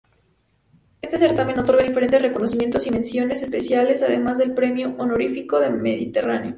Este certamen otorga diferentes reconocimientos y menciones especiales además del Premio Honorífico Mediterráneo.